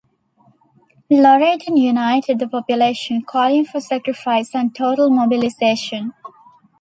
Loredan united the population, calling for sacrifice and total mobilisation.